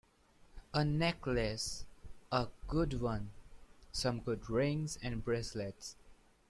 A necklace — a good one — some good rings, and bracelets.